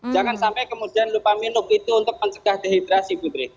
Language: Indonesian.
jangan sampai kemudian lupa minum itu untuk mencegah dehidrasi putri